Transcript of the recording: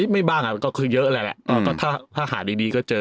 ไม่บ้างก็คือเยอะแหละก็ถ้าหาดีก็เจอ